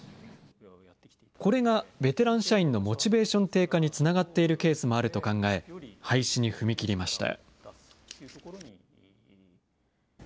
これがベテラン社員のモチベーション低下につながっているケースもあると考え、廃止に踏み切りました。